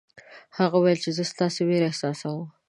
هغه وویل چې زه ستاسې وېره احساسوم.